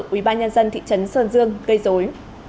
ủy ban nhân dân thị trấn sơn dương gây dối